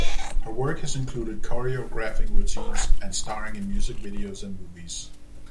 Her work has included choreographing routines and starring in music videos and movies.